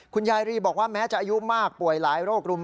คุณยายรีบอกว่าแม้จะอายุมากป่วยหลายโรครุม